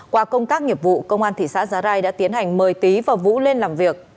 qua công tác nghiệp vụ công an thị xã giá rai đã tiến hành mời tý và vũ lên làm việc